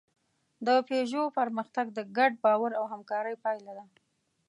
د پيژو پرمختګ د ګډ باور او همکارۍ پایله ده.